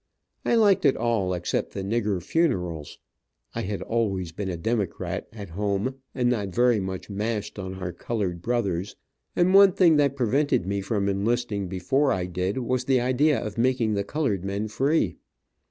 I liked it all except the nigger funerals. I had always been a Democrat, at home, and not very much mashed on our colored brothers, and one thing that prevented me from enlisting before I did was the idea of making the colored men free.